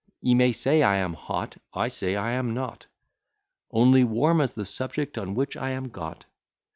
Ye may say, I am hot; I say I am not; Only warm, as the subject on which I am got.